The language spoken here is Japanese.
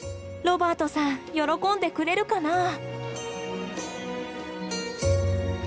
ロバートさん喜んでくれるかな。